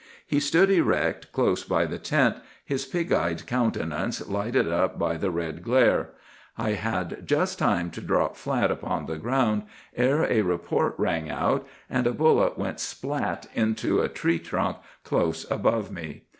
"He stood erect, close by the tent, his pig eyed countenance lighted up by the red glare. I had just time to drop flat upon the ground, ere a report rang out, and a bullet went spat into a tree trunk close above me.